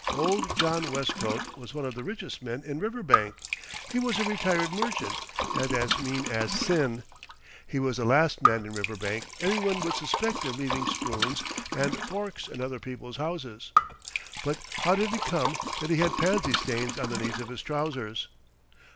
Old John Westcote was one of the richest men in Riverbank. He was a retired merchant and as mean as sin. He was the last man in Riverbank any one would suspect of leaving spoons and forks in other people's houses. But how did it come that he had pansy stains on the knees of his trousers?